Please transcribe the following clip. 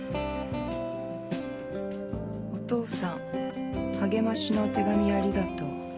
「お父さん励ましの手紙ありがとう。